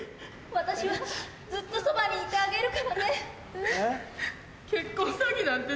私はずっとそばにいてあげるからね。なんて。